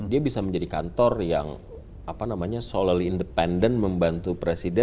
dia bisa menjadi kantor yang apa namanya solely independent membantu presiden